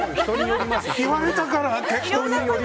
言われたからって。